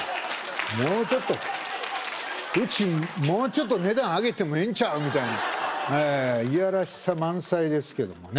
もうちょっと「うちもうちょっと値段上げてもえんちゃう」みたいないやらしさ満載ですけどもね